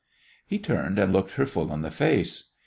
He turned and looked her full in the face.